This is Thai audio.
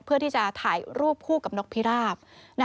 เพื่อที่จะถ่ายรูปคู่กับนกพิราบ